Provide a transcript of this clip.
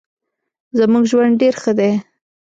زمونږ ژوند ډیر ښه دې